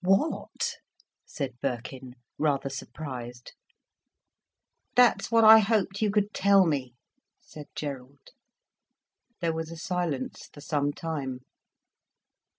"What?" said Birkin, rather surprised. "That's what I hoped you could tell me," said Gerald. There was a silence for some time.